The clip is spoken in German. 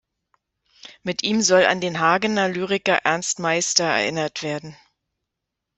Mit ihm soll an den Hagener Lyriker Ernst Meister erinnert werden.